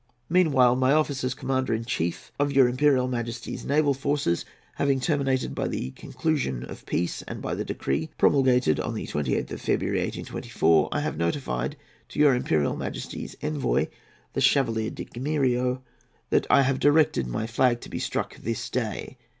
"Meanwhile my office as Commander in Chief of your Imperial Majesty's Naval Forces having terminated by the conclusion of peace and by the decree promulgated on the 28th of February, 1824, I have notified to your Imperial Majesty's Envoy, the Chevalier de Gameiro, that I have directed my flag to be struck this day.